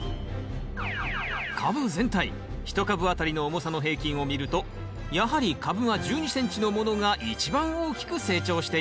カブ全体一株あたりの重さの平均を見るとやはり株間１２ｃｍのものが一番大きく成長していました